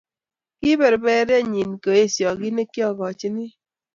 Kiperperyennyi koesyo kit ne kiagochini.